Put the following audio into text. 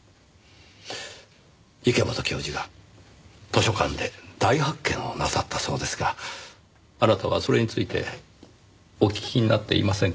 池本教授が図書館で大発見をなさったそうですがあなたはそれについてお聞きになっていませんか？